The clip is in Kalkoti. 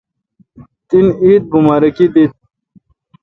تن عید امبا۔ رکی دیت۔